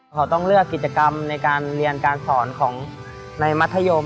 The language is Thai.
เขาต้องเลือกกิจกรรมในการเรียนการสอนของในมัธยม